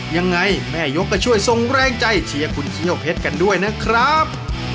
ยังไงแม่ยกก็ช่วยส่งแรงใจเชียร์คุณเขี้ยวเพชรกันด้วยนะครับ